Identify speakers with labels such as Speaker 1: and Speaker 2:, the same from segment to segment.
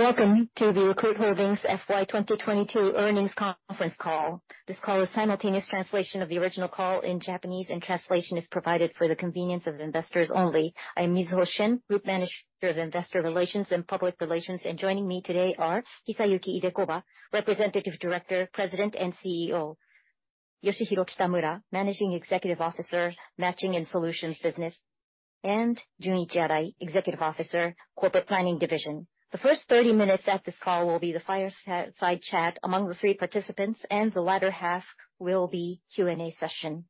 Speaker 1: Welcome to the Recruit Holdings FY 2022 earnings conference call. This call is simultaneous translation of the original call in Japanese, translation is provided for the convenience of investors only. I am Mizuho Shen, group manager of investor relations and public relations. Joining me today are Hisayuki Idekoba, representative director, president and CEO. Yoshihiro Kitamura, managing executive officer, Matching & Solutions business. Junichi Arai, executive officer, corporate planning division. The first 30 minutes at this call will be the fireside chat among the three participants, the latter half will be Q&A session.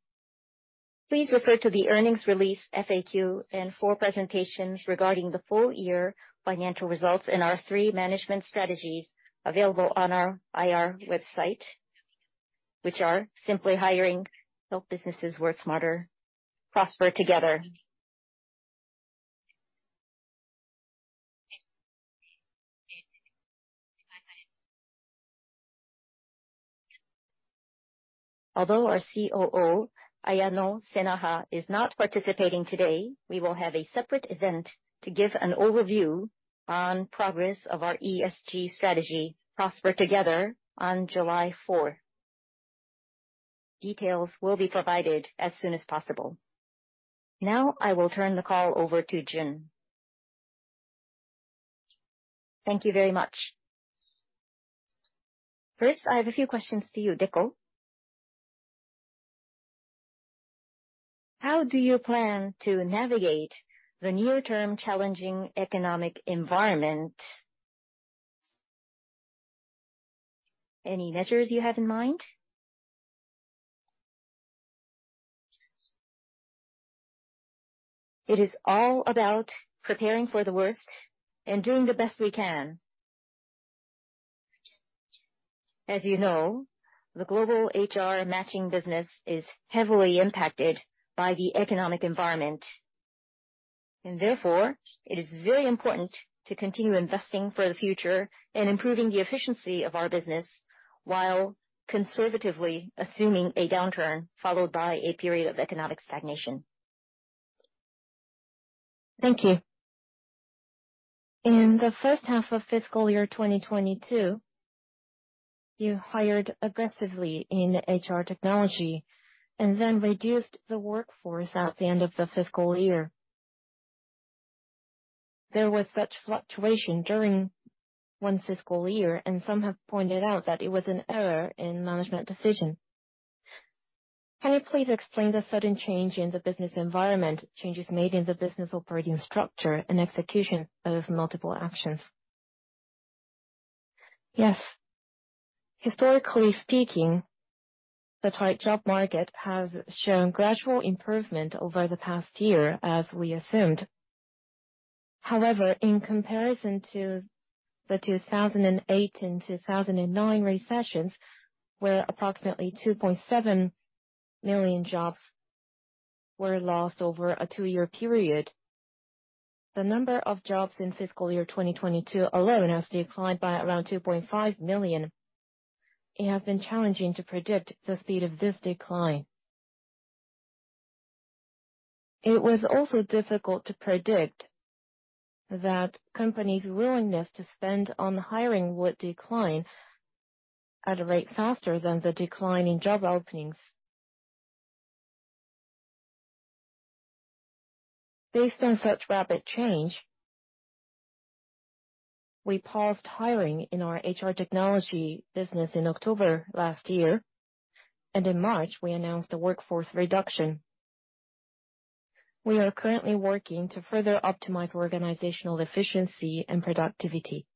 Speaker 1: Please refer to the earnings release FAQ and four presentations regarding the full year financial results and our three management strategies available on our IR website, which are Simplify Hiring, Help Businesses Work Smarter, Prosper Together. Although our COO, Ayano Senaha, is not participating today, we will have a separate event to give an overview on progress of our ESG strategy, Prosper Together, on July 4th. Details will be provided as soon as possible. Now I will turn the call over to Jun. Thank you very much.
Speaker 2: First, I have a few questions to you, Deko. How do you plan to navigate the near-term challenging economic environment? Any measures you have in mind?
Speaker 3: It is all about preparing for the worst and doing the best we can. As you know, the global HR matching business is heavily impacted by the economic environment and therefore, it is very important to continue investing for the future and improving the efficiency of our business while conservatively assuming a downturn followed by a period of economic stagnation. Thank you.
Speaker 2: In the first half of fiscal year 2022, you hired aggressively in HR Technology and then reduced the workforce at the end of the fiscal year. There was such fluctuation during one fiscal year, and some have pointed out that it was an error in management decision. Can you please explain the sudden change in the business environment, changes made in the business operating structure and execution of multiple actions?
Speaker 3: Yes. Historically speaking, the tight job market has shown gradual improvement over the past year, as we assumed. In comparison to the 2008 and 2009 recessions, where approximately 2.7 million jobs were lost over a two-year period, the number of jobs in fiscal year 2022 alone has declined by around 2.5 million. It has been challenging to predict the speed of this decline.
Speaker 2: It was also difficult to predict that companies' willingness to spend on hiring would decline at a rate faster than the decline in job openings. Based on such rapid change, we paused hiring in our HR Technology business in October last year. In March we announced a workforce reduction. We are currently working to further optimize organizational efficiency and productivity.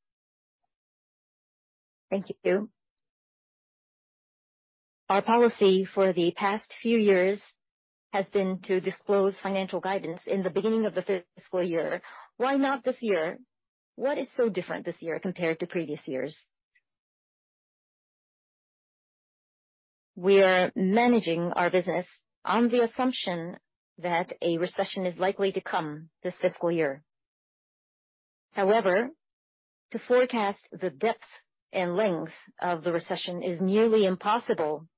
Speaker 3: Thank you. Our policy for the past few years has been to disclose financial guidance in the beginning of the fiscal year. Why not this year? What is so different this year compared to previous years? We are managing our business on the assumption that a recession is likely to come this fiscal year. To forecast the depth and length of the recession is nearly impossible.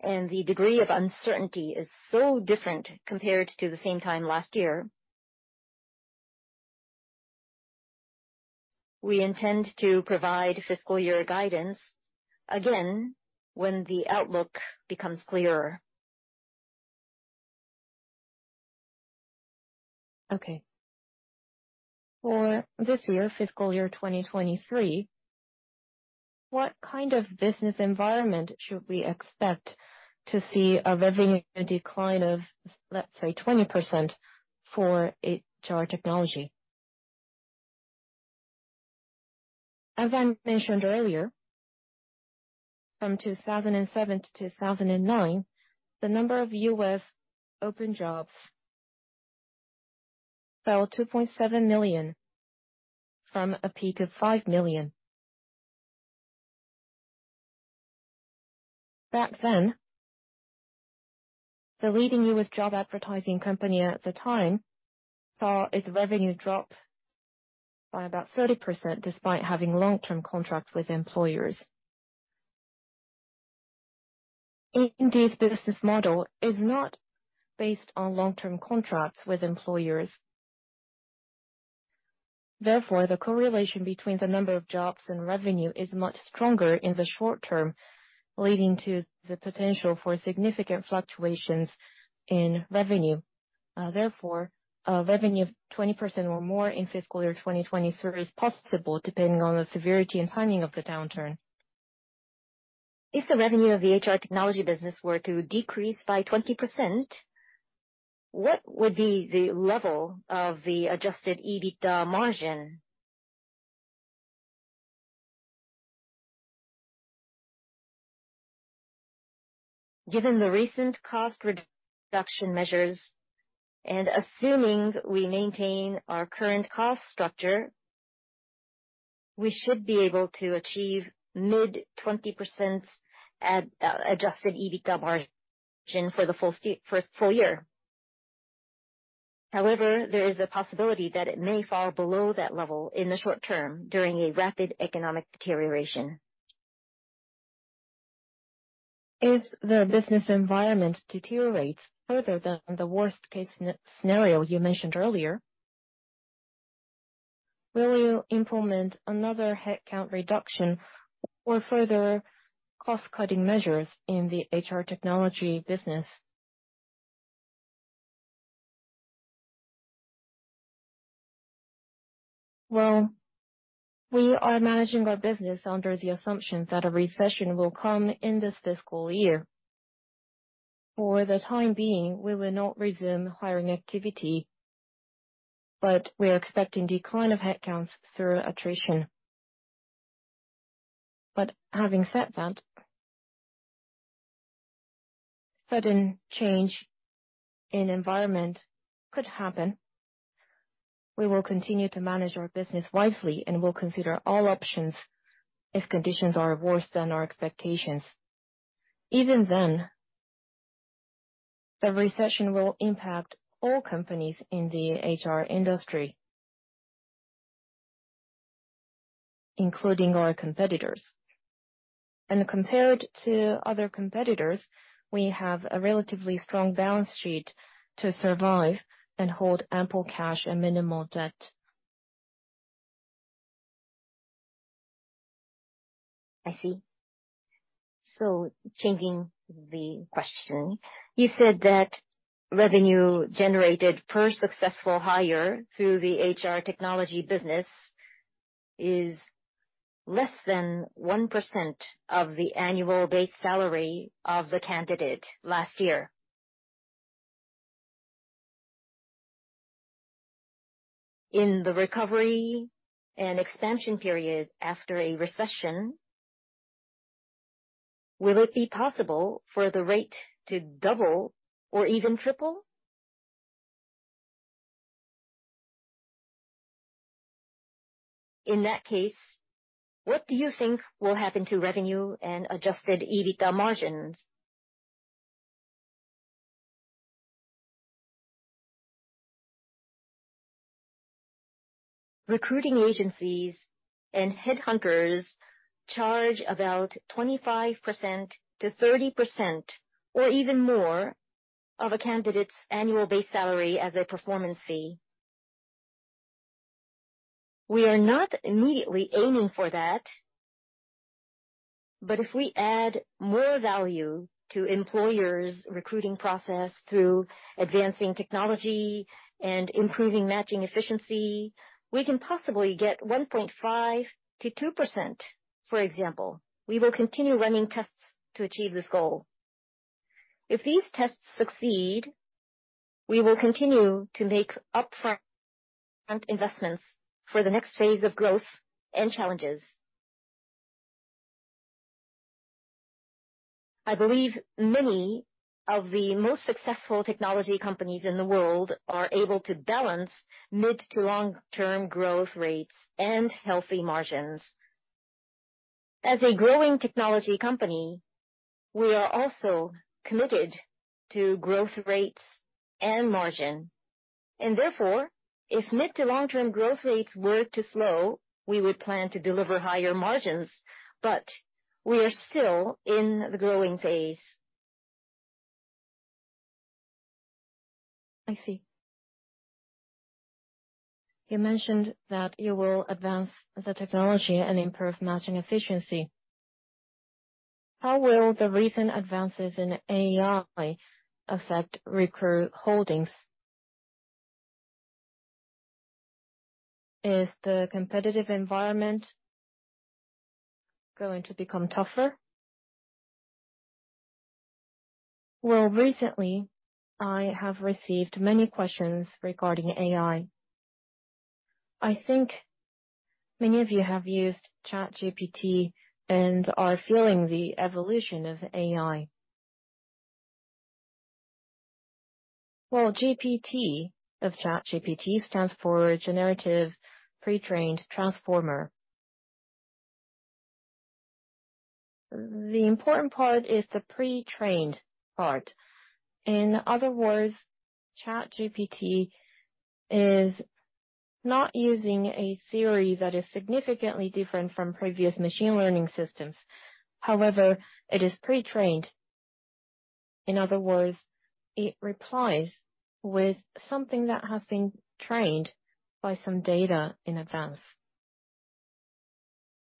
Speaker 3: The degree of uncertainty is so different compared to the same time last year. We intend to provide fiscal year guidance again when the outlook becomes clearer. Okay. For this year, fiscal year 2023, what kind of business environment should we expect to see a revenue decline of, let's say, 20% for HR Technology? As I mentioned earlier, from 2007 to 2009, the number of U.S. open jobs fell 2.7 million from a peak of 5 million. Back then, the leading U.S. job advertising company at the time saw its revenue drop by about 30% despite having long-term contracts with employers. Indeed's business model is not based on long-term contracts with employers. Therefore, the correlation between the number of jobs and revenue is much stronger in the short term, leading to the potential for significant fluctuations in revenue. Therefore, a revenue of 20% or more in fiscal year 2023 is possible, depending on the severity and timing of the downturn. If the revenue of the HR Technology business were to decrease by 20%, what would be the level of the Adjusted EBITDA margin? Given the recent cost reduction measures and assuming we maintain our current cost structure, we should be able to achieve mid-20% Adjusted EBITDA margin for the full year. However, there is a possibility that it may fall below that level in the short term during a rapid economic deterioration. If the business environment deteriorates further than the worst-case scenario you mentioned earlier, will you implement another headcount reduction or further cost-cutting measures in the HR Technology business? Well, we are managing our business under the assumption that a recession will come in this fiscal year. For the time being, we will not resume hiring activity, we are expecting decline of headcounts through attrition. Having said that, sudden change in environment could happen. We will continue to manage our business wisely and will consider all options if conditions are worse than our expectations. Even then, the recession will impact all companies in the HR industry, including our competitors. Compared to other competitors, we have a relatively strong balance sheet to survive and hold ample cash and minimal debt. I see. Changing the question, you said that revenue generated per successful hire through the HR Technology business is less than 1% of the annual base salary of the candidate last year. In the recovery and expansion period after a recession, will it be possible for the rate to double or even triple? In that case, what do you think will happen to revenue and Adjusted EBITDA margins? Recruiting agencies and headhunters charge about 25%-30% or even more of a candidate's annual base salary as a performance fee. We are not immediately aiming for that, but if we add more value to employers' recruiting process through advancing technology and improving matching efficiency, we can possibly get 1.5%-2%, for example. We will continue running tests to achieve this goal. If these tests succeed, we will continue to make upfront investments for the next phase of growth and challenges. I believe many of the most successful technology companies in the world are able to balance mid to long-term growth rates and healthy margins. As a growing technology company, we are also committed to growth rates and margin. Therefore, if mid to long-term growth rates were to slow, we would plan to deliver higher margins. We are still in the growing phase. I see. You mentioned that you will advance the technology and improve matching efficiency. How will the recent advances in AI affect Recruit Holdings? Is the competitive environment going to become tougher? Recently, I have received many questions regarding AI. I think many of you have used ChatGPT and are feeling the evolution of AI. GPT of ChatGPT stands for Generative Pre-trained Transformer. The important part is the pre-trained part. In other words, ChatGPT is not using a theory that is significantly different from previous machine learning systems. However, it is pre-trained. In other words, it replies with something that has been trained by some data in advance.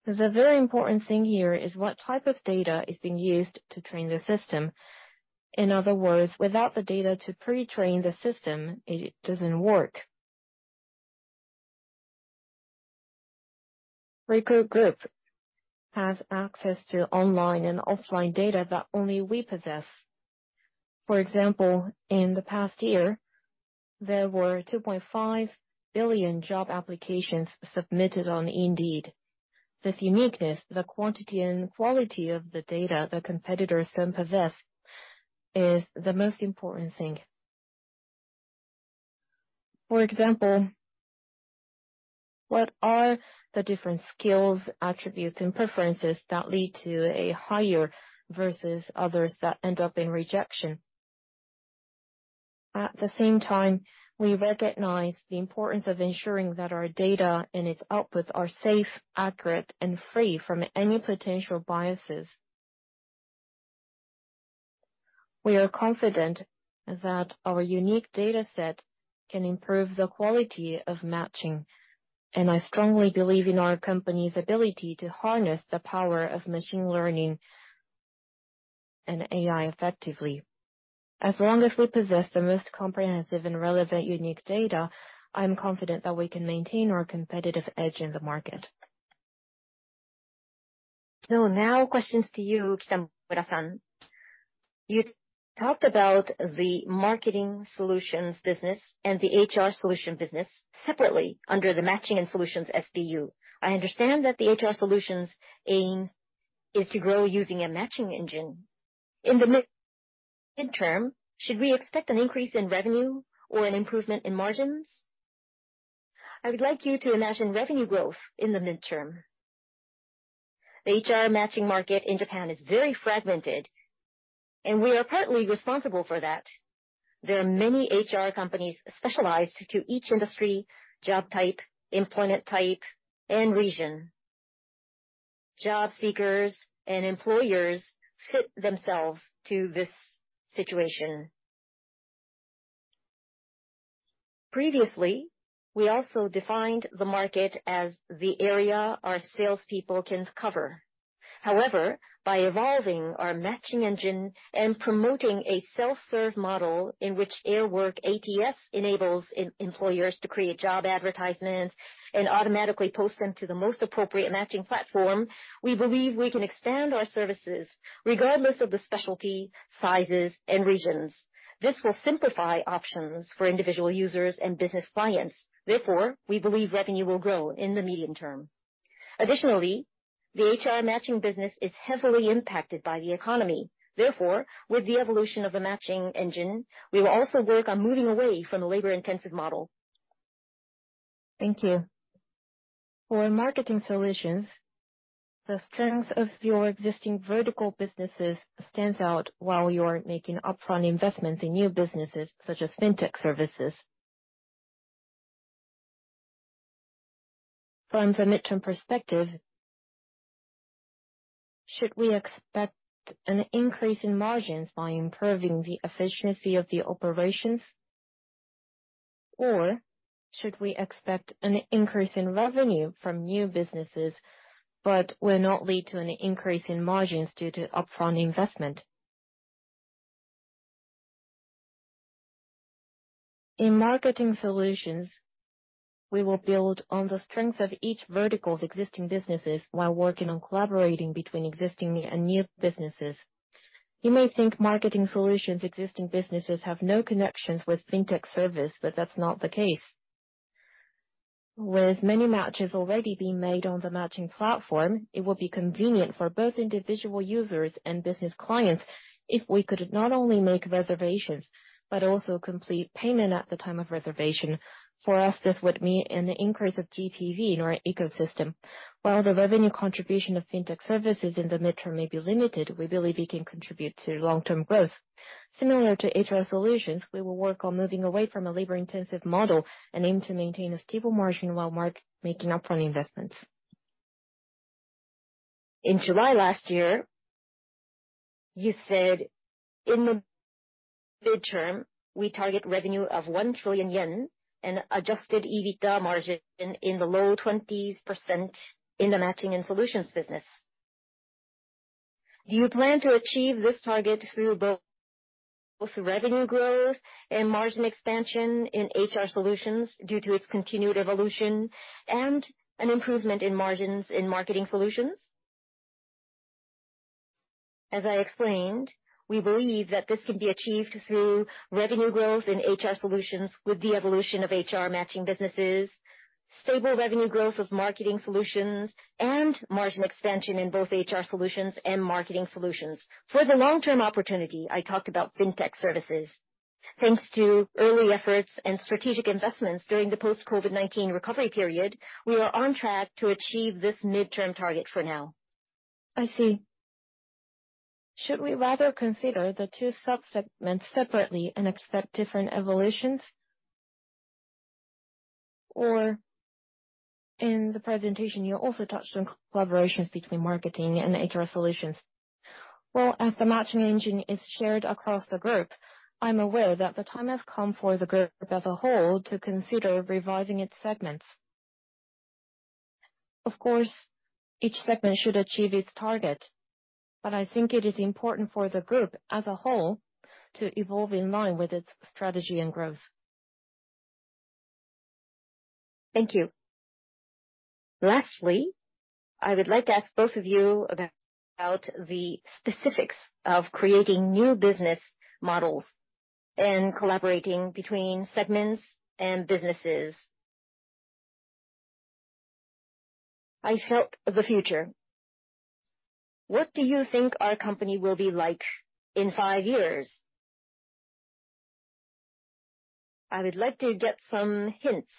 Speaker 3: The very important thing here is what type of data is being used to train the system. In other words, without the data to pre-train the system, it doesn't work. Recruit Group has access to online and offline data that only we possess. For example, in the past year, there were 2.5 billion job applications submitted on Indeed. This uniqueness, the quantity and quality of the data that competitors don't possess, is the most important thing. For example, what are the different skills, attributes, and preferences that lead to a hire versus others that end up in rejection? At the same time, we recognize the importance of ensuring that our data and its outputs are safe, accurate, and free from any potential biases. We are confident that our unique data set can improve the quality of matching, and I strongly believe in our company's ability to harness the power of machine learning and AI effectively. As long as we possess the most comprehensive and relevant unique data, I'm confident that we can maintain our competitive edge in the market. Questions to you, Kitamura San. You talked about the Marketing Solutions business and the HR Solutions business separately under the Matching & Solutions SBU. I understand that the HR Solutions aim is to grow using a matching engine. In the mid-term, should we expect an increase in revenue or an improvement in margins? I would like you to imagine revenue growth in the mid-term. The HR matching market in Japan is very fragmented, and we are partly responsible for that. There are many HR companies specialized to each industry, job type, employment type, and region. Job seekers and employers fit themselves to this situation. Previously, we also defined the market as the area our salespeople can cover. However, by evolving our matching engine and promoting a self-serve model in which AirWORK ATS enables employers to create job advertisements and automatically post them to the most appropriate matching platform, we believe we can expand our services regardless of the specialty, sizes, and regions. This will simplify options for individual users and business clients. We believe revenue will grow in the medium term. The HR matching business is heavily impacted by the economy. With the evolution of the matching engine, we will also work on moving away from a labor-intensive model. Thank you. For Marketing Solutions, the strength of your existing vertical businesses stands out while you're making upfront investments in new businesses such as fintech services. From the midterm perspective, should we expect an increase in margins by improving the efficiency of the operations, or should we expect an increase in revenue from new businesses but will not lead to an increase in margins due to upfront investment? In Marketing Solutions, we will build on the strength of each vertical of existing businesses while working on collaborating between existing and new businesses. You may think Marketing Solutions existing businesses have no connections with fintech service, but that's not the case. With many matches already being made on the matching platform, it will be convenient for both individual users and business clients if we could not only make reservations but also complete payment at the time of reservation. For us, this would mean an increase of GPV in our ecosystem. While the revenue contribution of fintech services in the mid-term may be limited, we believe it can contribute to long-term growth. Similar to HR Solutions, we will work on moving away from a labor-intensive model and aim to maintain a stable margin while making upfront investments. In July last year, you said, "In the mid-term, we target revenue of 1 trillion yen and Adjusted EBITDA margin in the low 20% in the Matching & Solutions business." Do you plan to achieve this target through both revenue growth and margin expansion in HR Solutions due to its continued evolution and an improvement in margins in Marketing Solutions? As I explained, we believe that this can be achieved through revenue growth in HR Solutions with the evolution of HR matching businesses, stable revenue growth of Marketing Solutions, and margin expansion in both HR Solutions and Marketing Solutions. For the long-term opportunity, I talked about fintech services. Thanks to early efforts and strategic investments during the post COVID-19 recovery period, we are on track to achieve this midterm target for now. I see. Should we rather consider the two sub-segments separately and expect different evolutions? In the presentation, you also touched on collaborations between Marketing and HR Solutions. As the matching engine is shared across the group, I'm aware that the time has come for the group as a whole to consider revising its segments. Of course, each segment should achieve its target, but I think it is important for the group as a whole to evolve in line with its strategy and growth.
Speaker 2: Thank you. Lastly, I would like to ask both of you about the specifics of creating new business models and collaborating between segments and businesses. I felt the future. What do you think our company will be like in five years?
Speaker 3: I would like to get some hints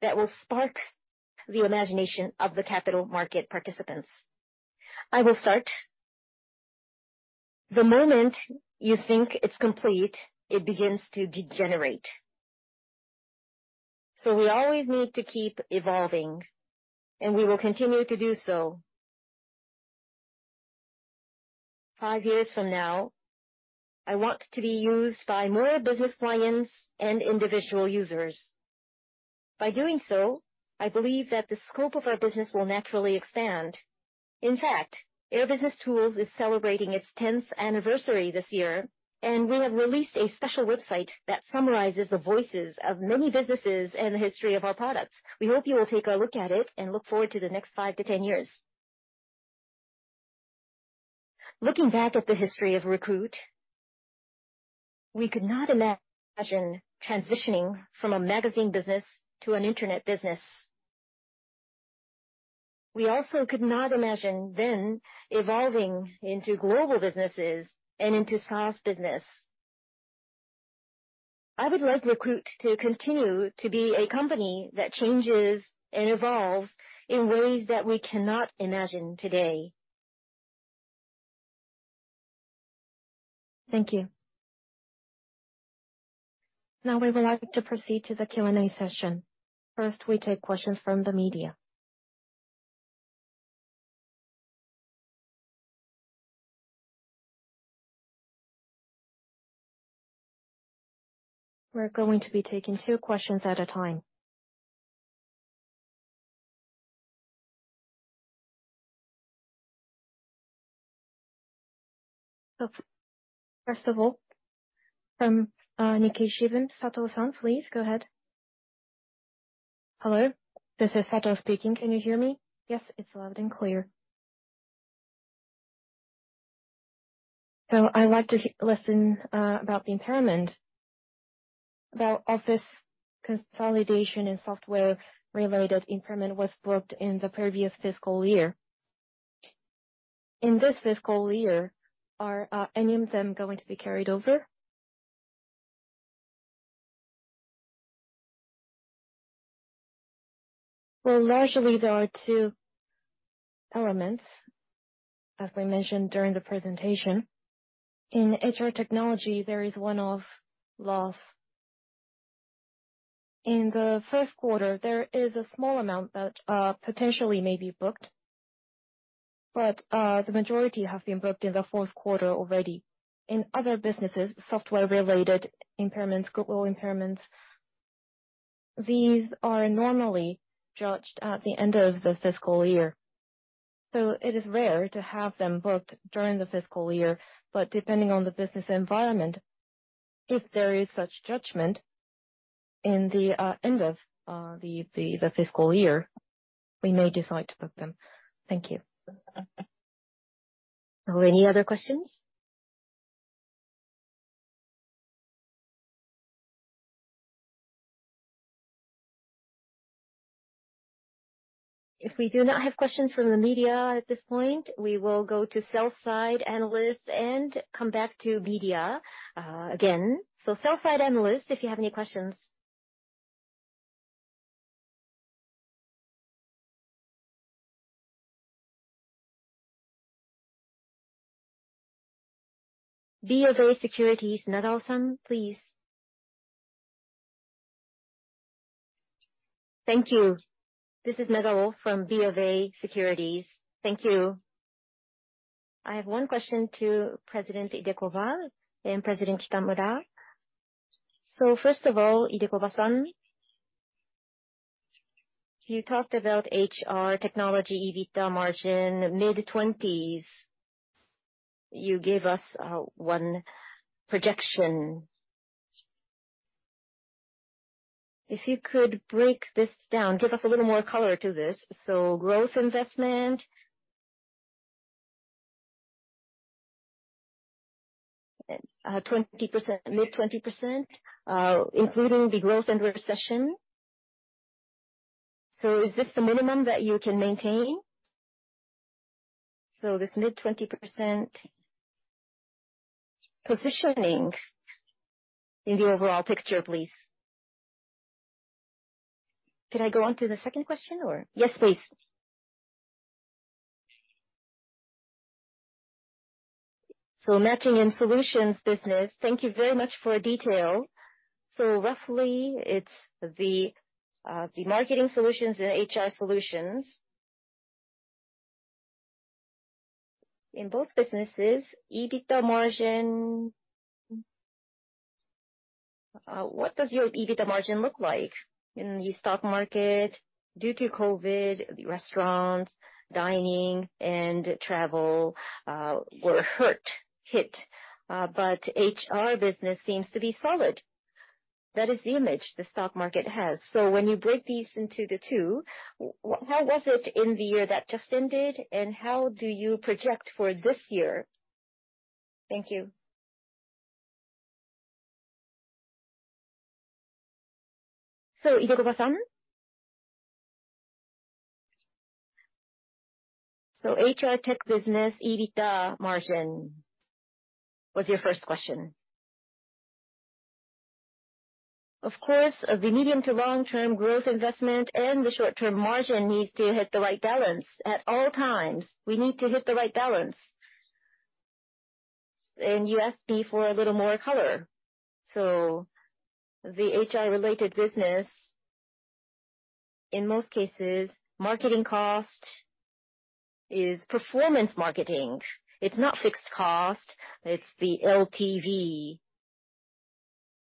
Speaker 3: that will spark the imagination of the capital market participants. I will start. The moment you think it's complete, it begins to degenerate. We always need to keep evolving, and we will continue to do so. Five years from now, I want to be used by more business clients and individual users. By doing so, I believe that the scope of our business will naturally expand. In fact, Air BusinessTools is celebrating its tenth anniversary this year, and we have released a special website that summarizes the voices of many businesses and the history of our products. We hope you will take a look at it and look forward to the next five to 10 years. Looking back at the history of Recruit, we could not imagine transitioning from a magazine business to an Internet business. We also could not imagine then evolving into global businesses and into SaaS business. I would like Recruit to continue to be a company that changes and evolves in ways that we cannot imagine today. Thank you.
Speaker 1: Now we would like to proceed to the Q&A session. First, we take questions from the media. We're going to be taking two questions at a time. First of all, from Nikkei Shimbun, Sato-san please, go ahead.
Speaker 4: Hello, this is Sato speaking. Can you hear me?
Speaker 1: Yes, it's loud and clear.
Speaker 4: I'd like to listen about the impairment. About office consolidation and software related impairment was booked in the previous fiscal year. In this fiscal year, are any of them going to be carried over?
Speaker 3: Well, largely there are two elements, as we mentioned during the presentation. In HR Technology, there is one-off loss. In the first quarter, there is a small amount that potentially may be booked, but the majority have been booked in the fourth quarter already. In other businesses, software related impairments, goodwill impairments, these are normally judged at the end of the fiscal year. It is rare to have them booked during the fiscal year. Depending on the business environment, if there is such judgment in the end of the fiscal year, we may decide to book them. Thank you. Are there any other questions? If we do not have questions from the media at this point, we will go to sell-side analysts and come back to media again. Sell-side analysts, if you have any questions. BofA Securities, Nagao-san, please.
Speaker 5: Thank you. This is Nagao from BofA Securities. Thank you. I have one question to President Idekoba and President Kitamura. First of all, Idekoba-san, you talked about HR Technology, EBITDA margin mid-20s. You gave us one projection. If you could break this down, give us a little more color to this. Growth investment, 20%, mid-20%, including the growth and recession. Is this the minimum that you can maintain? This mid-20% positioning in the overall picture, please. Can I go on to the second question or?
Speaker 1: Yes, please.
Speaker 5: Matching & Solutions business. Thank you very much for detail. Roughly, it's the Marketing Solutions and HR Solutions. In both businesses, EBITDA margin... What does your EBITDA margin look like in the stock market due to COVID, the restaurant, dining, and travel, were hurt, hit. HR business seems to be solid. That is the image the stock market has. When you break these into the two, how was it in the year that just ended and how do you project for this year? Thank you. Idekoba-san. HR tech business, EBITDA margin was your first question.
Speaker 2: Of course, the medium to long-term growth investment and the short-term margin needs to hit the right balance. At all times, we need to hit the right balance. You asked me for a little more color. The HR related business, in most cases, marketing cost is performance marketing. It's not fixed cost, it's the LTV.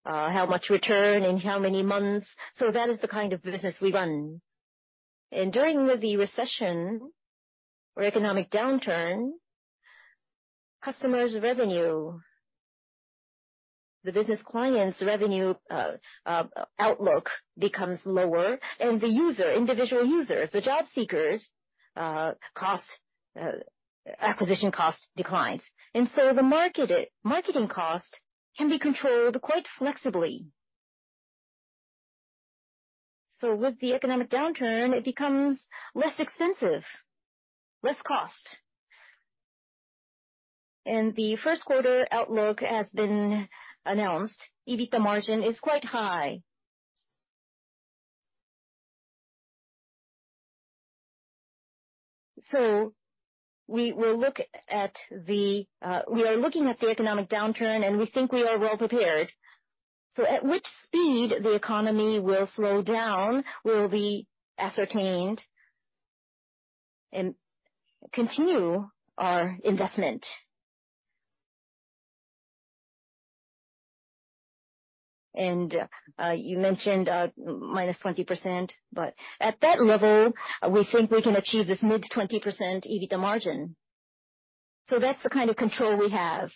Speaker 2: How much return in how many months. That is the kind of business we run. During the recession or economic downturn, customers' revenue, the business clients' revenue, outlook becomes lower and the user, individual users, the job seekers, cost, acquisition cost declines. The marketing cost can be controlled quite flexibly. With the economic downturn, it becomes less expensive, less cost. The first quarter outlook has been announced. EBITDA margin is quite high. We will look at the, we are looking at the economic downturn, and we think we are well prepared. At which speed the economy will slow down will be ascertained and continue our investment. You mentioned -20%, but at that level, we think we can achieve this mid-20% EBITDA margin. That's the kind of control we have.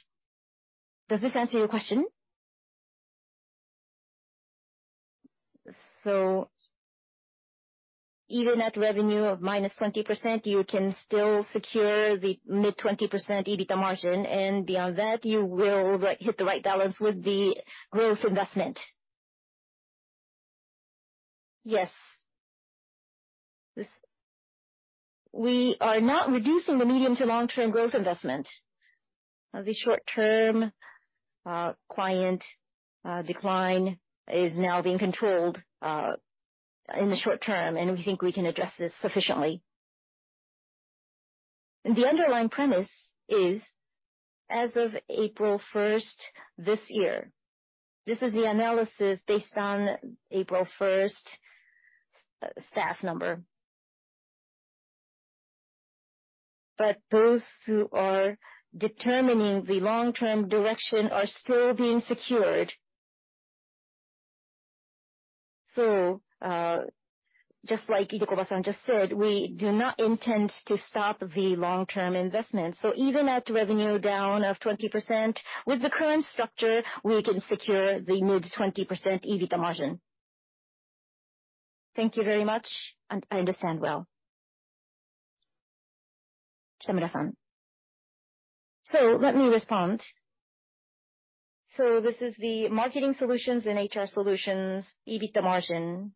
Speaker 2: Does this answer your question? Even at revenue of -20%, you can still secure the mid-20% EBITDA margin, and beyond that, you will hit the right balance with the growth investment? Yes. We are not reducing the medium to long-term growth investment. The short-term client decline is now being controlled in the short-term, and we think we can address this sufficiently. The underlying premise is, as of April 1st this year, this is the analysis based on April 1st staff number. Those who are determining the long-term direction are still being secured. Just like Idekoba-san just said, we do not intend to stop the long-term investment. Even at revenue down of 20%, with the current structure, we can secure the mid-20% EBITDA margin. Thank you very much. I understand well. Kitamura-san. Let me respond. This is the Marketing Solutions and HR Solutions EBITDA margin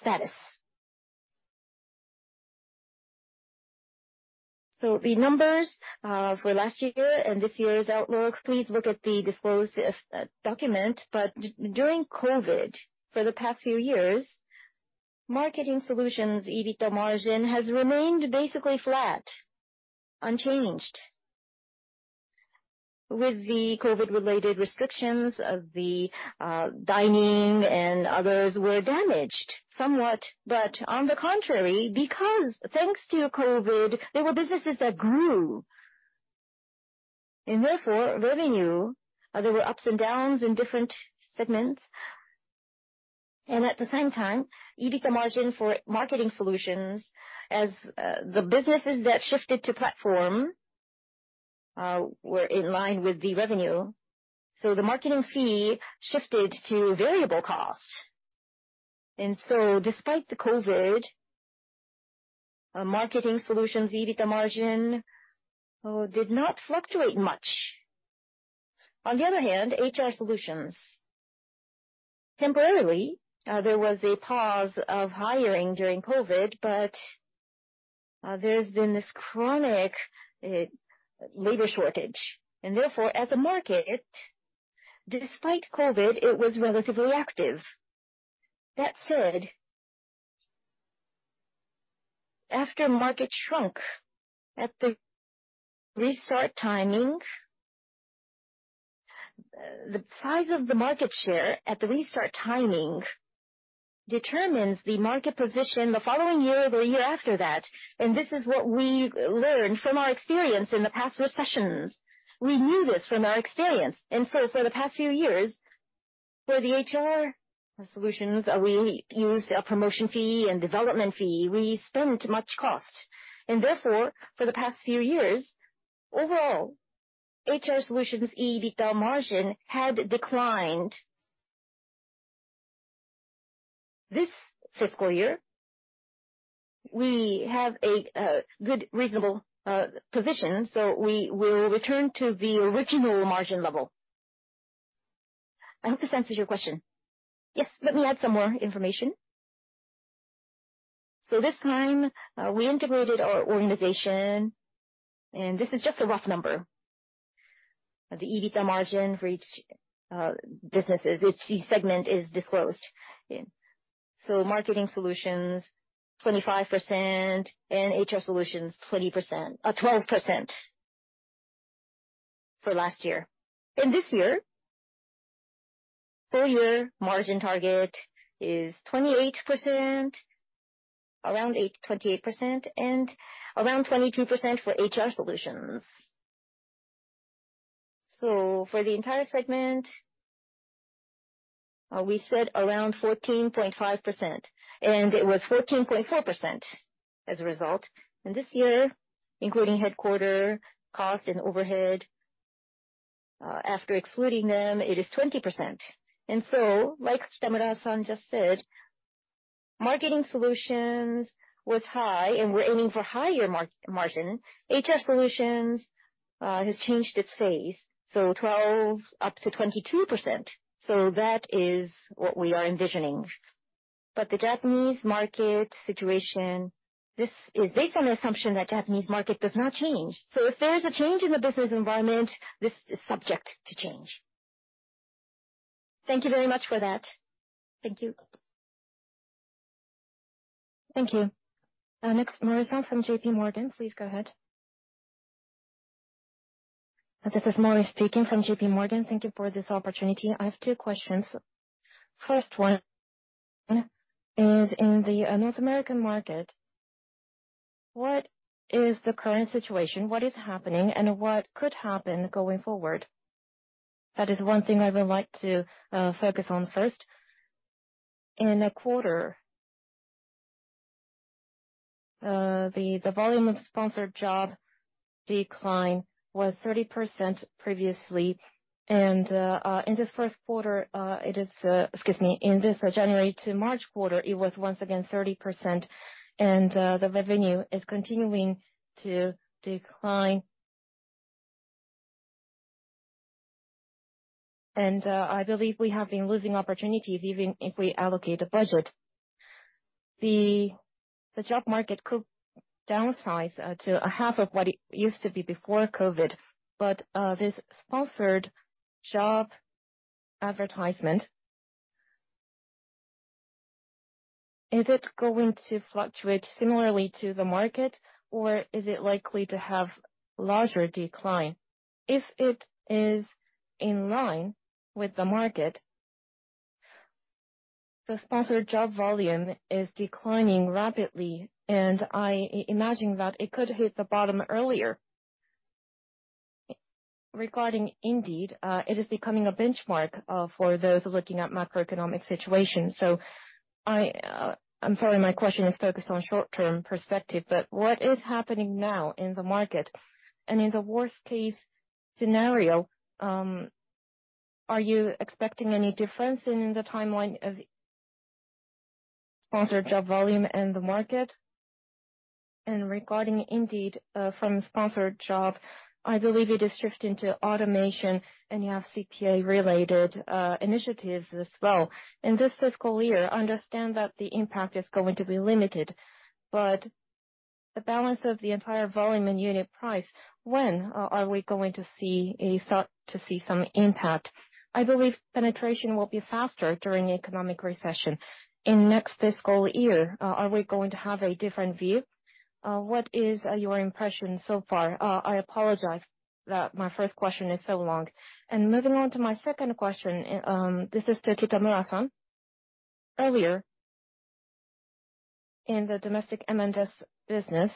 Speaker 2: status. The numbers for last year and this year's outlook, please look at the disclosed document. During COVID, for the past few years, Marketing Solutions EBITDA margin has remained basically flat, unchanged. With the COVID-related restrictions of the dining and others were damaged somewhat. On the contrary, because thanks to COVID, there were businesses that grew, and therefore, revenue, there were ups and downs in different segments. At the same time, EBITDA margin for Marketing Solutions as the businesses that shifted to platform were in line with the revenue. The Marketing fee shifted to variable costs. Despite the COVID, marketing solutions EBITDA margin did not fluctuate much. On the other hand, HR solutions, temporarily, there was a pause of hiring during COVID, there's been this chronic labor shortage, and therefore as a market, despite COVID, it was relatively active. That said, after market shrunk at the restart timing, the size of the market share at the restart timing determines the market position the following year or the year after that, and this is what we learned from our experience in the past recessions. We knew this from our experience. For the past few years, for the HR solutions, we use a promotion fee and development fee. We spent much cost. Therefore, for the past few years, overall, HR solutions, EBITDA margin had declined. This fiscal year, we have a good reasonable position, so we will return to the original margin level. I hope this answers your question. Yes, let me add some more information. This time, we integrated our organization, and this is just a rough number. The EBITDA margin for each businesses, each segment is disclosed. Marketing Solutions, 25% and HR Solutions, 20%. 12% for last year. This year, full year margin target is 28%, around 28% and around 22% for HR Solutions. For the entire segment, we said around 14.5%, and it was 14.4% as a result. This year, including headquarter cost and overhead, after excluding them, it is 20%. Like Kitamura-san just said, Marketing Solutions was high, and we're aiming for higher margin. HR Solutions has changed its phase, 12% up to 22%. That is what we are envisioning. The Japanese market situation, this is based on the assumption that Japanese market does not change. If there's a change in the business environment, this is subject to change.
Speaker 5: Thank you very much for that. Thank you.
Speaker 1: Thank you. Next, Mori-san from JPMorgan. Please go ahead.
Speaker 6: This is Mori speaking from JPMorgan. Thank you for this opportunity. I have two questions. First one is, in the North American market, what is the current situation? What is happening, what could happen going forward?
Speaker 3: That is one thing I would like to focus on first. In a quarter, the volume of Sponsored Job decline was 30% previously. Excuse me. In the January to March quarter, it was once again 30%, and the revenue is continuing to decline. I believe we have been losing opportunities even if we allocate a budget. The job market could downsize to a half of what it used to be before COVID. This Sponsored Job advertisement, is it going to fluctuate similarly to the market, or is it likely to have larger decline? If it is in line with the market, the Sponsored Job volume is declining rapidly, I imagine that it could hit the bottom earlier. Regarding Indeed, it is becoming a benchmark for those looking at macroeconomic situation. I'm sorry my question is focused on short-term perspective, what is happening now in the market? In the worst case scenario, are you expecting any difference in the timeline of Sponsored Job volume and the market? Regarding Indeed, from Sponsored Job, I believe it is shifting to automation, you have CPA-related initiatives as well.
Speaker 6: In this fiscal year, I understand that the impact is going to be limited, but the balance of the entire volume and unit price, when are we going to see a start to see some impact? I believe penetration will be faster during economic recession. In next fiscal year, are we going to have a different view? What is your impression so far? I apologize that my first question is so long. Moving on to my second question, this is to Kitamura-san. Earlier in the domestic M&S business,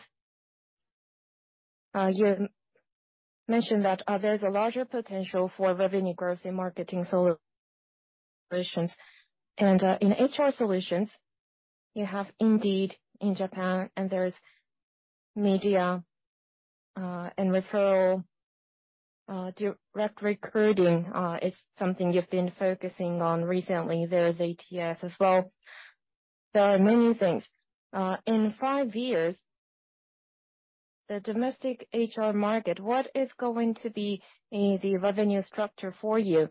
Speaker 6: you mentioned that there's a larger potential for revenue growth in Marketing Solutions. In HR Solutions, you have Indeed in Japan, and there's media and referral. direct recruiting is something you've been focusing on recently. There is ATS as well. There are many things. In five years, the domestic HR market, what is going to be the revenue structure for you?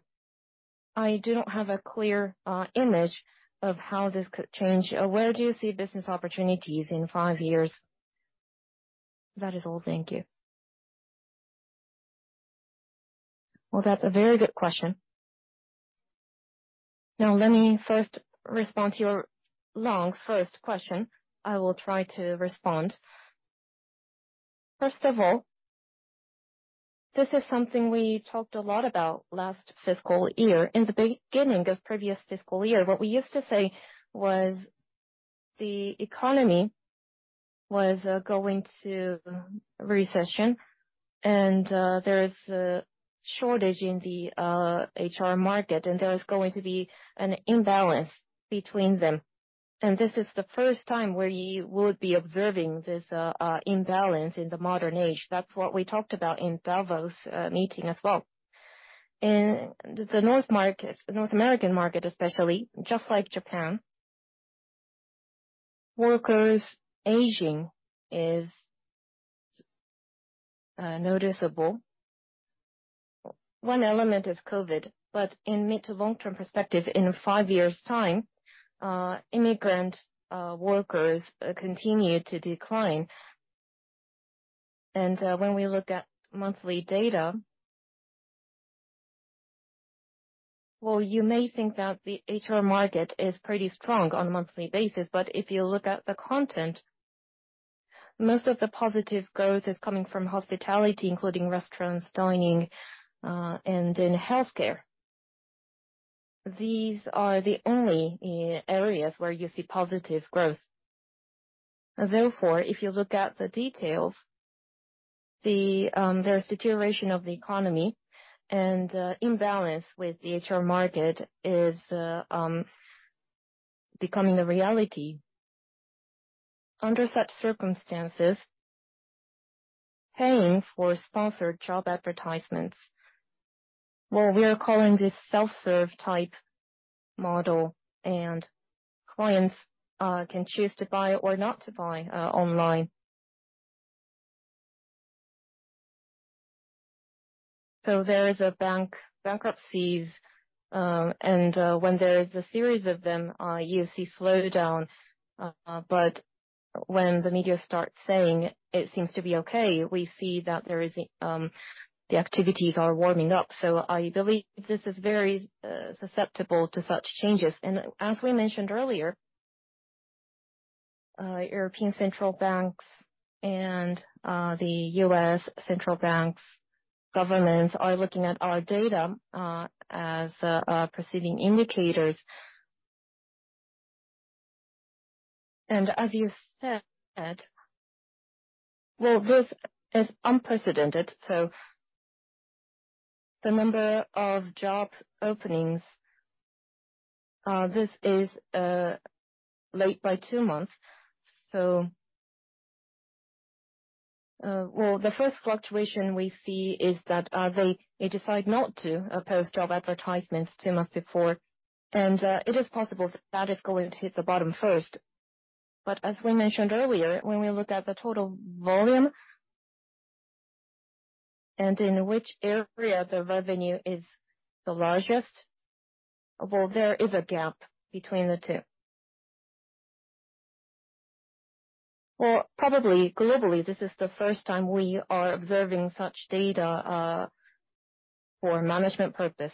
Speaker 6: I do not have a clear image of how this could change. Where do you see business opportunities in five years? That is all. Thank you.
Speaker 3: Well, that's a very good question. Now, let me first respond to your long first question. I will try to respond. First of all, this is something we talked a lot about last fiscal year. In the beginning of previous fiscal year, what we used to say was the economy was going to recession and there is a shortage in the HR market, and there is going to be an imbalance between them. This is the first time where you would be observing this imbalance in the modern age. That's what we talked about in Davos meeting as well. In the North markets, the North American market especially, just like Japan, workers aging is noticeable. One element is COVID, but in mid to long-term perspective, in 5 years' time, immigrant workers continue to decline. When we look at monthly data, well, you may think that the HR market is pretty strong on a monthly basis, but if you look at the content, most of the positive growth is coming from hospitality, including restaurants, dining, and in healthcare. These are the only areas where you see positive growth. If you look at the details, the situation of the economy and imbalance with the HR market is becoming a reality. Under such circumstances, paying for Sponsored Job advertisements. We are calling this self-serve type model, and clients can choose to buy or not to buy online. There is a bankruptcies, and when there is a series of them, you see slowdown. When the media starts saying it seems to be okay, we see that there is, the activities are warming up. I believe this is very susceptible to such changes. As we mentioned earlier, European central banks and the U.S. central banks, governments are looking at our data as preceding indicators. As you said, well, this is unprecedented, so the number of jobs openings, this is late by two months. Well, the first fluctuation we see is that they decide not to post job advertisements two months before. It is possible that is going to hit the bottom first. As we mentioned earlier, when we look at the total volume, and in which area the revenue is the largest, well, there is a gap between the two. Probably globally, this is the first time we are observing such data for management purpose.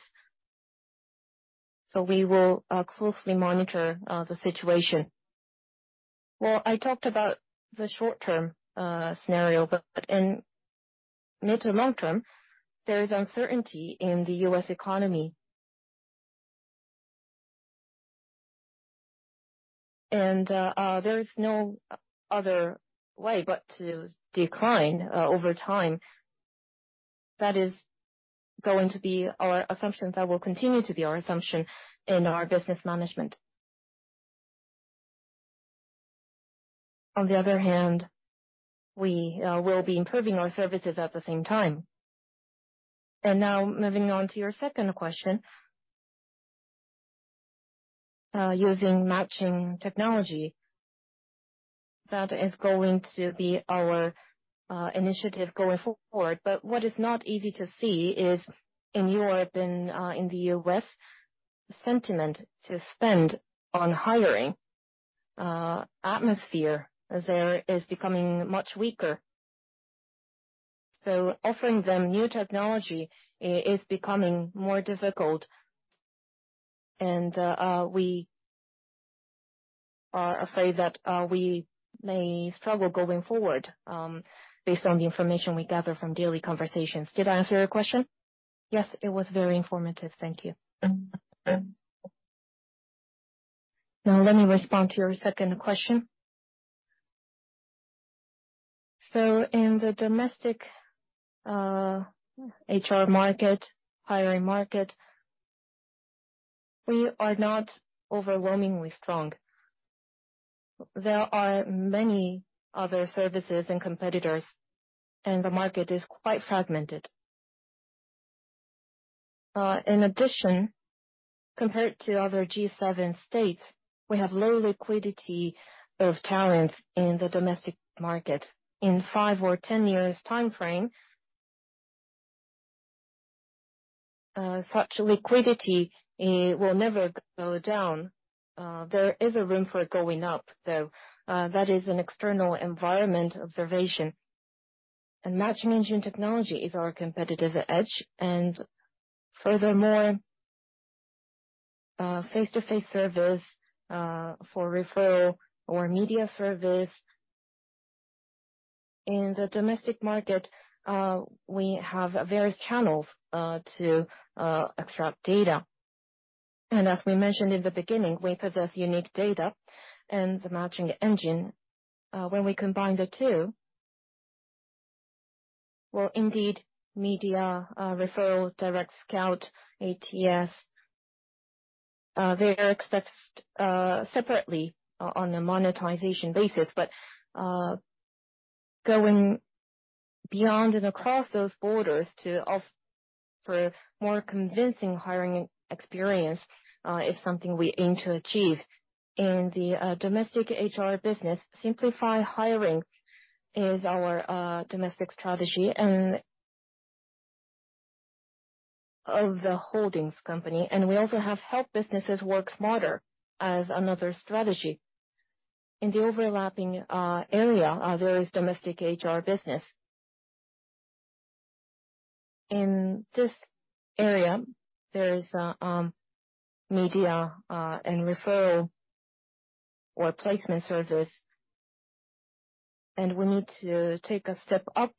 Speaker 3: We will closely monitor the situation. I talked about the short-term scenario, but in mid to long-term, there is uncertainty in the U.S. economy. There is no other way but to decline over time. That is going to be our assumption. That will continue to be our assumption in our business management. On the other hand, we will be improving our services at the same time. Now moving on to your second question. Using matching technology, that is going to be our initiative going forward. What is not easy to see is in Europe and in the U.S., sentiment to spend on hiring atmosphere there is becoming much weaker. Offering them new technology is becoming more difficult. We are afraid that we may struggle going forward, based on the information we gather from daily conversations. Did I answer your question?
Speaker 6: Yes. It was very informative. Thank you.
Speaker 3: Now let me respond to your second question. In the domestic HR market, hiring market, we are not overwhelmingly strong. There are many other services and competitors, and the market is quite fragmented. In addition, compared to other G7 states, we have low liquidity of talents in the domestic market. In five or 10 years time frame, such liquidity will never go down. There is a room for it going up, though. That is an external environment observation. Matching engine technology is our competitive edge. Furthermore, face-to-face service for referral or media service in the domestic market, we have various channels to extract data. As we mentioned in the beginning, we possess unique data and the matching engine. When we combine the two, well, Indeed, media, referral, direct scout, ATS, they are accessed separately on a monetization basis. Going beyond and across those borders to offer a more convincing hiring experience is something we aim to achieve. In the domestic HR business, Simplify Hiring is our domestic strategy, of the holdings company, we also have Help Businesses Work Smarter as another strategy. In the overlapping area, there is domestic HR business. In this area, there is media and referral or placement service, we need to take a step up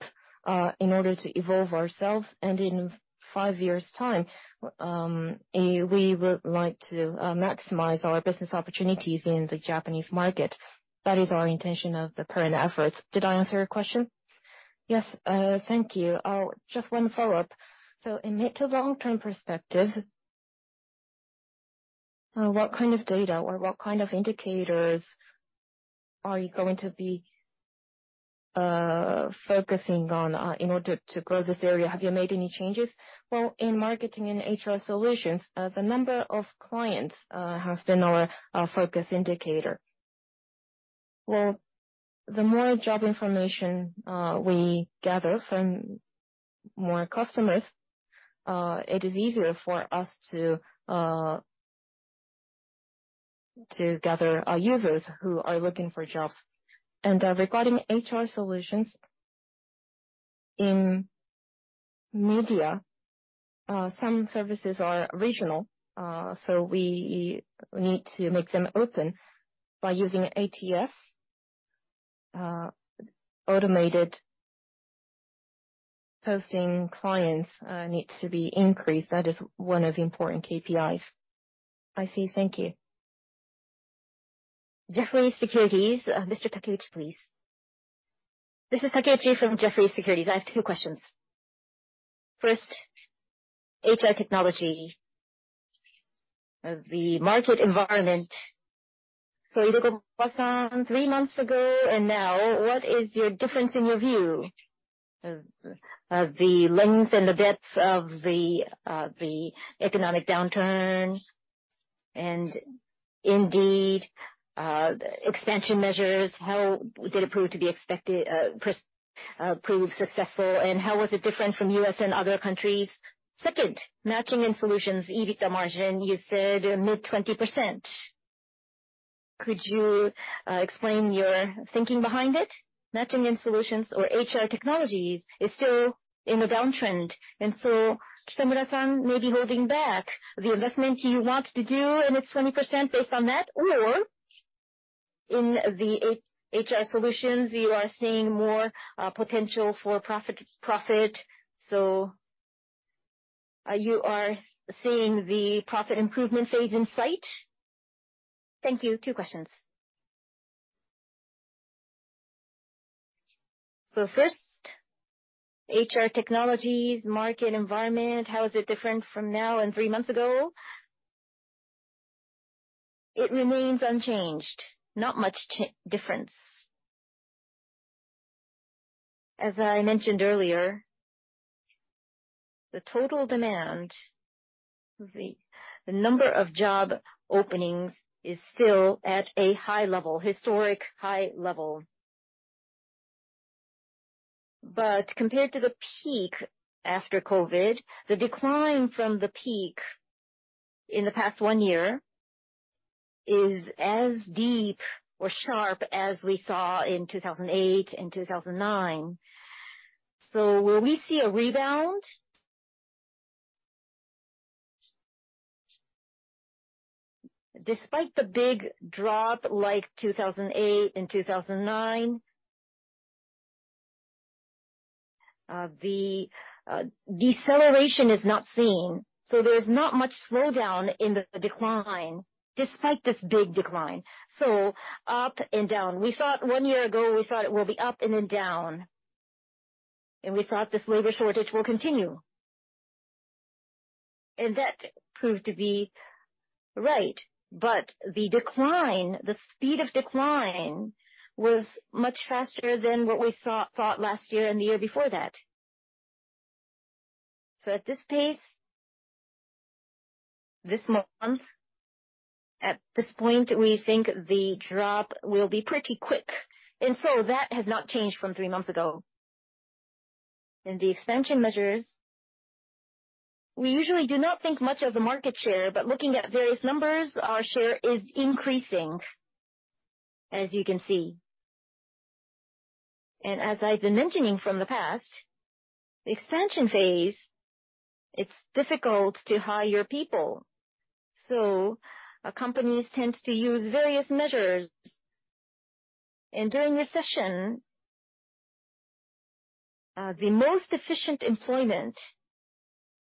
Speaker 3: in order to evolve ourselves. In 5 years time, we would like to maximize our business opportunities in the Japanese market. That is our intention of the current efforts. Did I answer your question?
Speaker 6: Yes. Thank you. Just one follow-up. In mid to long-term perspective, what kind of data or what kind of indicators are you going to be focusing on in order to grow this area? Have you made any changes?
Speaker 3: Well, in Marketing Solutions and HR Solutions, the number of clients has been our focus indicator. Well, the more job information we gather from more customers, it is easier for us to gather our users who are looking for jobs. Regarding HR Solutions, in media, some services are regional, so we need to make them open by using ATS. Automated posting clients needs to be increased. That is one of the important KPIs.
Speaker 6: I see. Thank you.
Speaker 1: Jefferies Securities, Mr. Takeuchi, please.
Speaker 7: This is Takeuchi from Jefferies. I have two questions. First, HR Technology. The market environment, Hirakawa, three months ago and now, what is your difference in your view of the length and the depth of the economic downturn? Indeed, the expansion measures, how did it prove to be expected, prove successful, and how was it different from U.S. and other countries? Second, Matching & Solutions EBITDA margin, you said mid-20%. Could you explain your thinking behind it? Matching & Solutions or HR Technologies is still in a downtrend, Kitamura may be holding back the investment you want to do, and it's 20% based on that? In the HR Solutions, you are seeing more potential for profit, you are seeing the profit improvement phase in sight? Thank you.
Speaker 3: Two questions. First, HR Technologies, market environment, how is it different from now and 3 months ago? It remains unchanged. Not much difference. As I mentioned earlier, the total demand, the number of job openings is still at a high level, historic high level. Compared to the peak after COVID, the decline from the peak in the past one year is as deep or sharp as we saw in 2008 and 2009. Will we see a rebound? Despite the big drop like 2008 and 2009, the deceleration is not seen, there's not much slowdown in the decline, despite this big decline. Up and down. We thought 1 year ago, we thought it will be up and then down, and we thought this labor shortage will continue. That proved to be right. The decline, the speed of decline was much faster than what we thought last year and the year before that. At this pace, this month, at this point, we think the drop will be pretty quick. That has not changed from three months ago. In the expansion measures, we usually do not think much of the market share, but looking at various numbers, our share is increasing, as you can see. As I've been mentioning from the past, expansion phase, it's difficult to hire people. Companies tend to use various measures. During recession, the most efficient employment,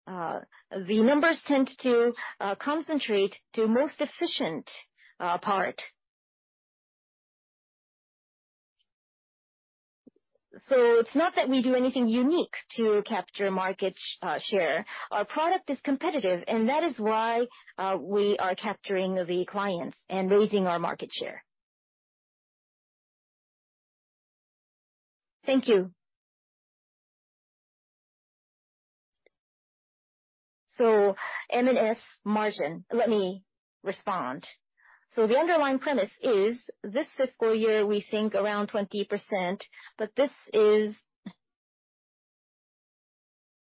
Speaker 3: the numbers tend to concentrate to most efficient part. It's not that we do anything unique to capture market share. Our product is competitive, and that is why, we are capturing the clients and raising our market share.
Speaker 7: Thank you.
Speaker 3: M&S margin, let me respond. The underlying premise is this fiscal year, we think around 20%, but this is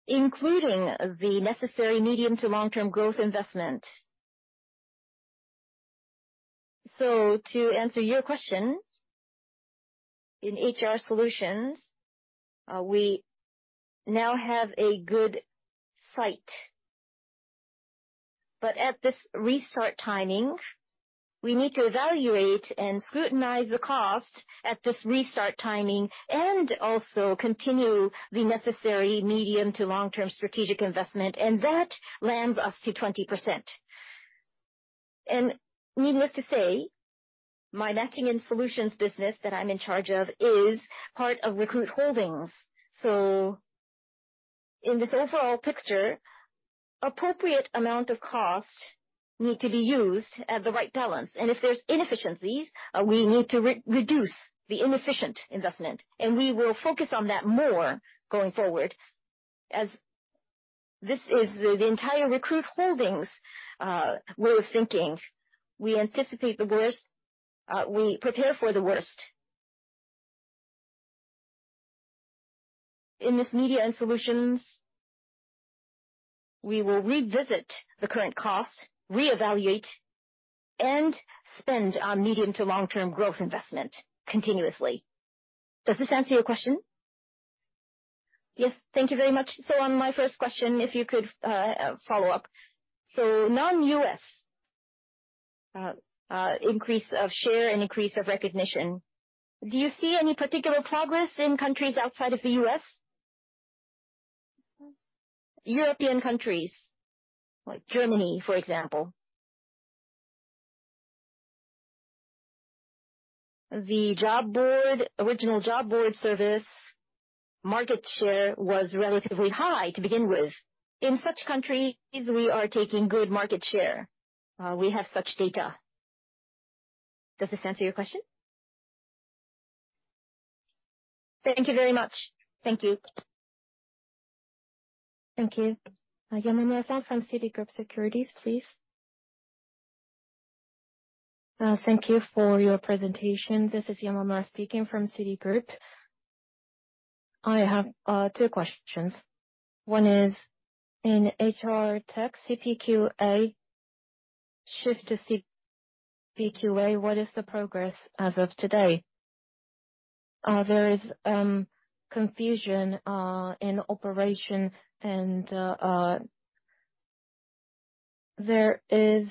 Speaker 3: including the necessary medium to long-term growth investment. To answer your question, in HR Solutions, we now have a good site. At this restart timing, we need to evaluate and scrutinize the cost at this restart timing and also continue the necessary medium to long-term strategic investment, and that lands us to 20%. Needless to say, my Matching & Solutions business that I'm in charge of is part of Recruit Holdings. In this overall picture, appropriate amount of costs need to be used at the right balance. If there's inefficiencies, we need to re-reduce the inefficient investment. We will focus on that more going forward, as this is the entire Recruit Holdings way of thinking. We anticipate the worst. We prepare for the worst. In this Matching & Solutions, we will revisit the current cost, reevaluate, and spend our medium to long-term growth investment continuously. Does this answer your question?
Speaker 7: Yes. Thank you very much. On my first question, if you could follow up. Non-U.S. increase of share and increase of recognition, do you see any particular progress in countries outside of the U.S.? European countries like Germany, for example.
Speaker 3: The job board, original job board service market share was relatively high to begin with. In such countries, we are taking good market share. We have such data. Does this answer your question?
Speaker 7: Thank you very much. Thank you.
Speaker 4: Thank you. Yamamura from Citigroup Securities, please.
Speaker 8: Thank you for your presentation. This is Yamamura speaking from Citigroup. I have two questions. One is, in HR tech, CPQA, shift to CPQA, what is the progress as of today? There is confusion in operation and there is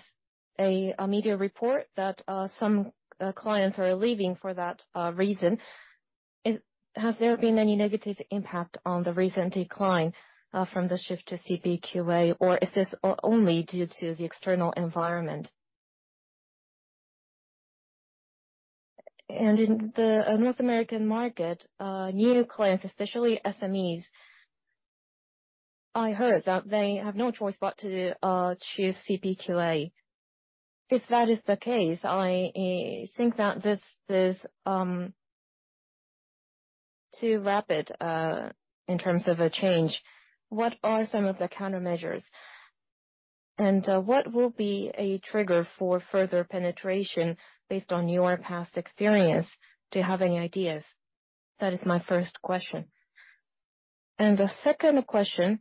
Speaker 8: a media report that some clients are leaving for that reason. Has there been any negative impact on the recent decline from the shift to CPQA, or is this only due to the external environment? In the North American market, new clients, especially SMEs, I heard that they have no choice but to choose CPQA. If that is the case, I think that this is too rapid in terms of a change. What are some of the countermeasures? What will be a trigger for further penetration based on your past experience? Do you have any ideas? That is my first question. The second question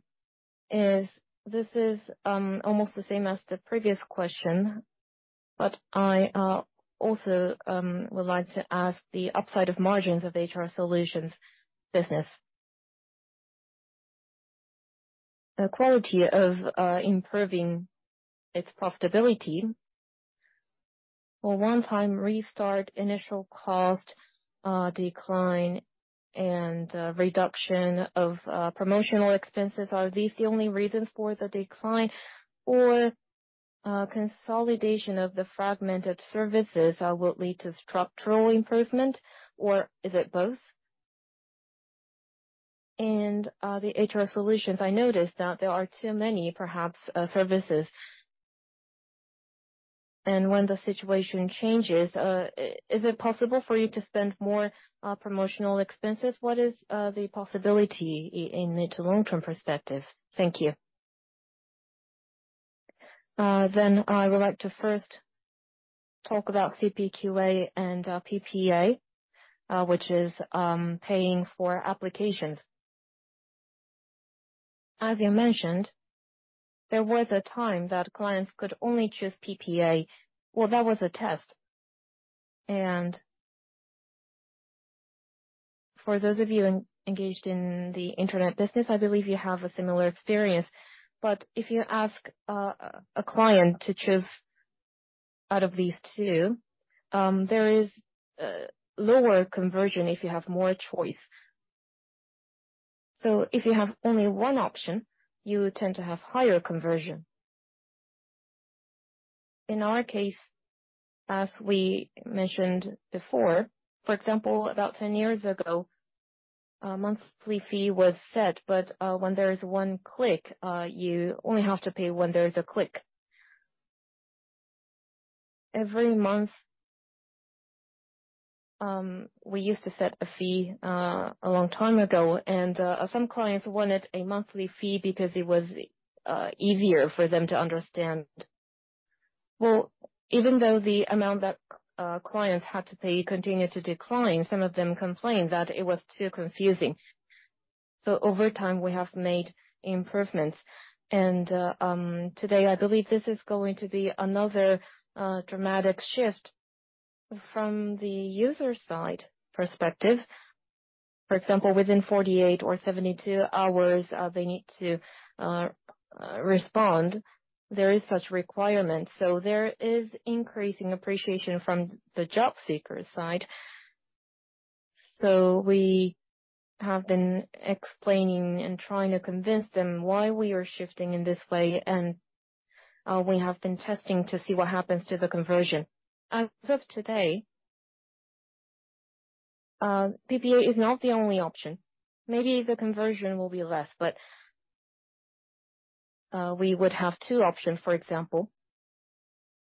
Speaker 8: is, this is almost the same as the previous question, but I also would like to ask the upside of margins of HR Solutions business. The quality of improving its profitability. Will one-time restart initial cost decline and reduction of promotional expenses, are these the only reasons for the decline? Consolidation of the fragmented services will lead to structural improvement, or is it both? The HR Solutions, I noticed that there are too many, perhaps, services. When the situation changes, is it possible for you to spend more promotional expenses? What is the possibility in mid to long term perspective? Thank you.
Speaker 3: I would like to first talk about CPQA and PPA, which is paying for applications. As you mentioned, there was a time that clients could only choose PPA. Well, that was a test. For those of you engaged in the internet business, I believe you have a similar experience. If you ask a client to choose out of these two, there is lower conversion if you have more choice. If you have only 1 option, you tend to have higher conversion. In our case, as we mentioned before, for example, about 10 years ago, a monthly fee was set, but when there is 1 click, you only have to pay when there is a click. Every month, we used to set a fee a long time ago, some clients wanted a monthly fee because it was easier for them to understand. Well, even though the amount that clients had to pay continued to decline, some of them complained that it was too confusing. Over time, we have made improvements. Today, I believe this is going to be another dramatic shift from the user side perspective. For example, within 48 or 72 hours, they need to respond. There is such requirement. There is increasing appreciation from the job seeker side. We have been explaining and trying to convince them why we are shifting in this way. We have been testing to see what happens to the conversion. As of today, PPA is not the only option. Maybe the conversion will be less, but we would have two options, for example,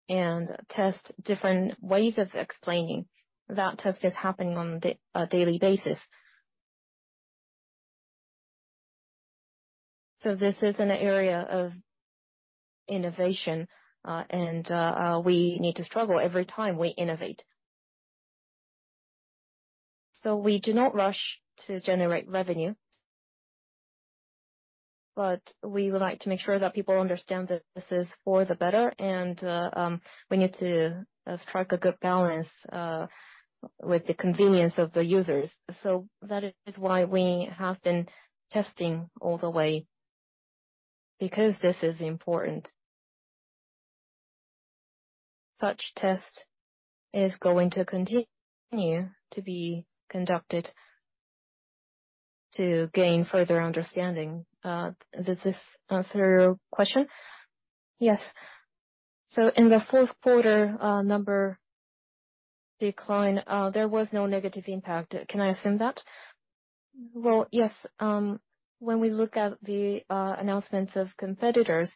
Speaker 3: and test different ways of explaining. That test is happening on a daily basis. This is an area of innovation, and we need to struggle every time we innovate. We do not rush to generate revenue, but we would like to make sure that people understand that this is for the better and we need to strike a good balance with the convenience of the users. That is why we have been testing all the way, because this is important. Such test is going to continue to be conducted to gain further understanding. Does this answer your question?
Speaker 8: Yes. In the fourth quarter, number decline, there was no negative impact, can I assume that?
Speaker 3: Well, yes. When we look at the announcements of competitors,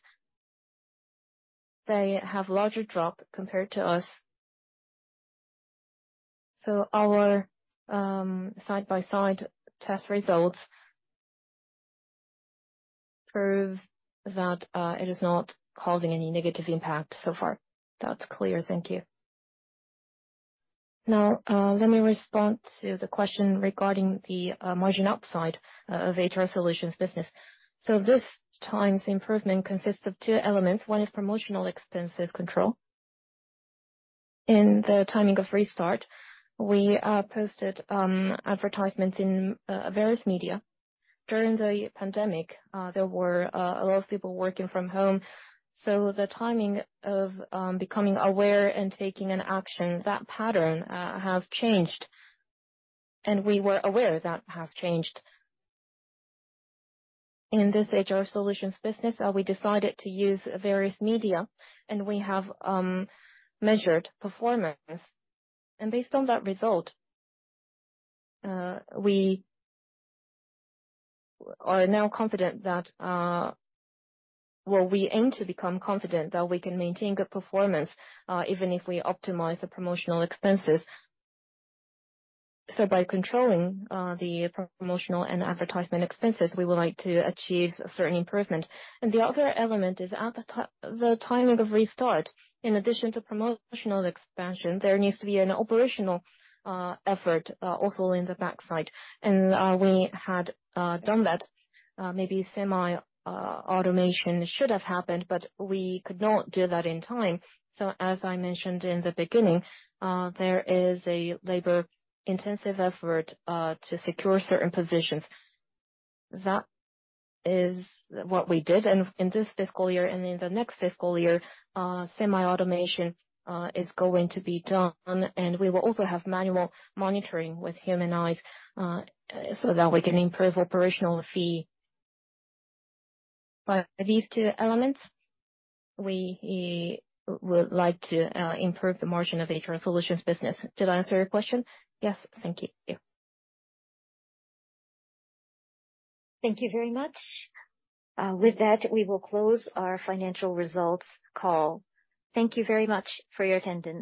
Speaker 3: they have larger drop compared to us. Our side-by-side test results prove that it is not causing any negative impact so far. That's clear. Thank you. Now, let me respond to the question regarding the margin upside of HR Solutions business. This time, the improvement consists of two elements. One is promotional expenses control. In the timing of restart, we posted advertisements in various media. During the pandemic, there were a lot of people working from home, so the timing of becoming aware and taking an action, that pattern has changed, and we were aware that has changed. In this HR Solutions business, we decided to use various media, and we have measured performance. Based on that result, we are now confident that. Well, we aim to become confident that we can maintain good performance even if we optimize the promotional expenses. By controlling the promotional and advertisement expenses, we would like to achieve a certain improvement. The other element is at the timing of restart. In addition to promotional expansion, there needs to be an operational effort also in the back side. We had done that. Maybe semi-automation should have happened, but we could not do that in time. As I mentioned in the beginning, there is a labor-intensive effort to secure certain positions. That is what we did. In this fiscal year and in the next fiscal year, semi-automation is going to be done. We will also have manual monitoring with human eyes, so that we can improve operational fee. By these two elements, we would like to improve the margin of HR Solutions business. Did I answer your question? Yes. Thank you.
Speaker 1: Thank you very much. We will close our financial results call. Thank you very much for your attendance.